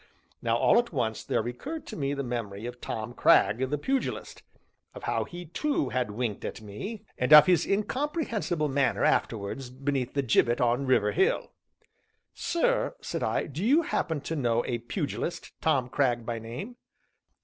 Now all at once there recurred to me the memory of Tom Cragg, the Pugilist; of how he too had winked at me, and of his incomprehensible manner afterwards beneath the gibbet on River Hill. "Sir," said I, "do you happen to know a pugilist, Tom Cragg by name?"